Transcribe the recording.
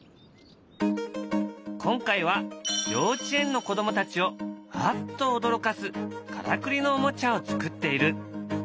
今回は幼稚園の子どもたちをアッと驚かすからくりのおもちゃを作っている。